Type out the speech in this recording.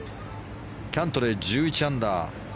キャントレー、１１アンダー。